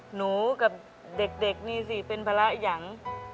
หนูกับเด็กนี่สิเป็นภาระยัง